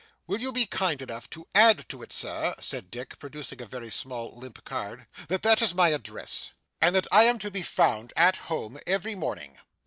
'Will you be kind enough to add to it, Sir,' said Dick, producing a very small limp card, 'that that is my address, and that I am to be found at home every morning.